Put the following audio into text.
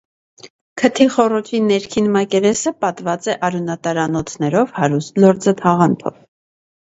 Քթի խոռոչի ներքին մակերեսը պատված է արյունատար անոթներով հարուստ լորձաթաղանթով։